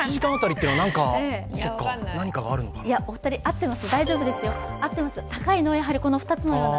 いや、お二人合っています。